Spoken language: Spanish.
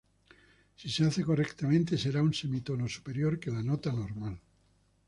Si se hace correctamente, será un semitono superior que la nota normal.